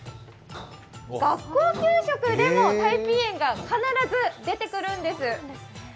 学校給食でも太平燕が必ず出てくるんです。